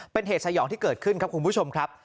เป็นเหตุสยองที่เกิดขึ้นครับคุณผู้ชมครับ